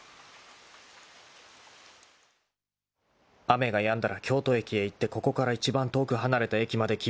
［雨がやんだら京都駅へ行ってここから一番遠く離れた駅まで切符を買おう］